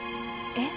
えっ？